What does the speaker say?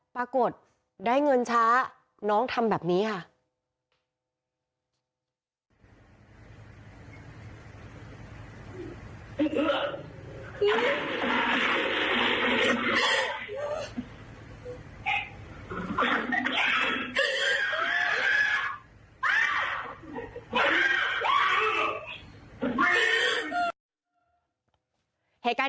ปรากฏได้เงินช้าน้องทำแบบนี้ค่ะ